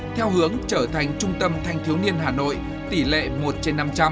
theo hướng trở thành trung tâm thanh thiếu niên hà nội tỷ lệ một trên năm trăm linh